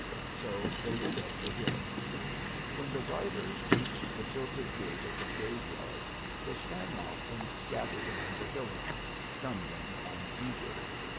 So they went up the hill. When the riders reached the tilted gate of the graveyard, they sprang off and scattered among the hillocks, stumbling and eager.